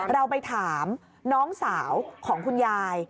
เราไปถามน้องสาวของคุณยาย